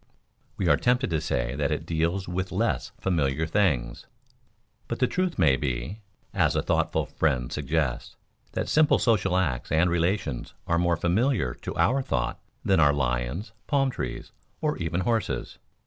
We are tempted to say that it deals with less familiar things; but the truth may be, as a thoughtful friend suggests, that the simple social acts and relations are more familiar to our thought than are lions, palm trees, or even horses.